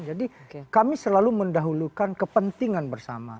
jadi kami selalu mendahulukan kepentingan bersama